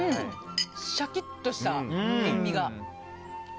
シャキッとした塩みが。